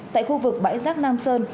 tại khu vực bãi rác nam sơn